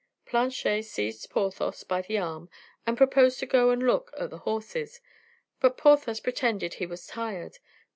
Planchet seized Porthos by the arm, and proposed to go and look at the horses, but Porthos pretended he was tired.